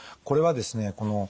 これはですね